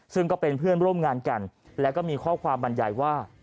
ซึ่งก็เป็นเพื่อนร่วมงานกันแล้วก็มีข้อความบรรยายว่า